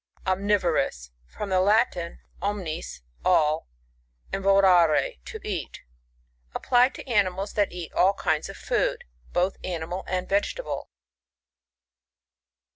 Omnivorous. — From the Latin, omttM, all, and vorare to eat Applied to animals that eat all kinds of food, both animal and vegetable.